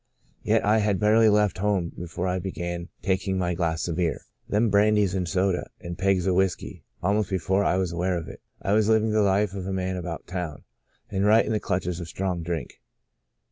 Yet I had barely left home before I began taking my glass of beer, 142 The Blossoming Desert then brandies and soda and pegs of whiskey. Almost before I was aware of it, I was living the life of a man about town, and right in the clutches of strong drink.